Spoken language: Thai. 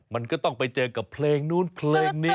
มันก็ต้องไปเจอกับเพลงนู้นเพลงนี้